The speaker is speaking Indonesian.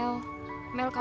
mel kabur dari rumah